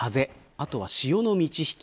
あとは潮の満ち引き。